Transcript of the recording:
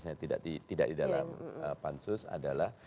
saya tidak di dalam pansus adalah